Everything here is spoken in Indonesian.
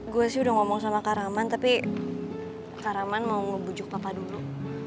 gue sih udah ngomong sama kak raman tapi kak raman mau ngebujuk papa dulu